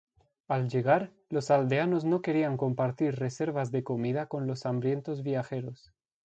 Al llegar, los aldeanos no querían compartir reservas de comida con los hambrientos viajeros.